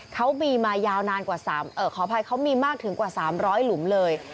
เขามีมายาวนานกว่าขออภัยเขามีมากถึงกว่า๓๐๐หลุมเลย